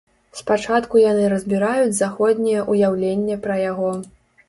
Спачатку яны разбіраюць заходняе ўяўленне пра яго.